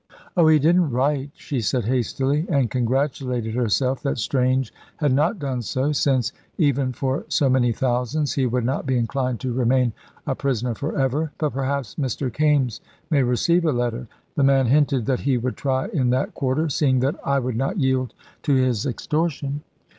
"Oh, he didn't write," she said hastily, and congratulated herself that Strange had not done so, since, even for so many thousands, he would not be inclined to remain a prisoner for ever; "but perhaps Mr. Kaimes may receive a letter. The man hinted that he would try in that quarter, seeing that I would not yield to his extortion."